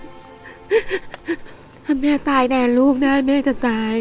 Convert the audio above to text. ถ้าแม่ตายแทนลูกได้แม่จะตาย